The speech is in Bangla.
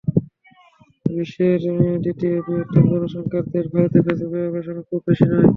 বিশ্বের দ্বিতীয় বৃহত্তম জনসংখ্যার দেশ ভারতেও ফেসবুক ব্যবহারকারীর সংখ্যা খুব বেশি নয়।